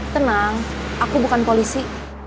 tenang aku bukan polisi